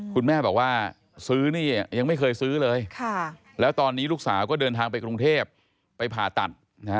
คุณแม่บอกว่าซื้อนี่ยังไม่เคยซื้อเลยแล้วตอนนี้ลูกสาวก็เดินทางไปกรุงเทพไปผ่าตัด